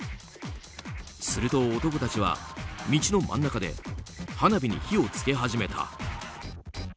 すると男たちは道の真ん中で花火に火を付け始めた。